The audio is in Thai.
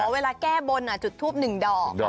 เวลาแก้บนจุดทูป๑ดอก